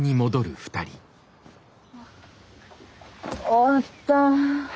終わった。